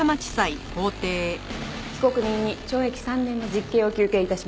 被告人に懲役３年の実刑を求刑致します。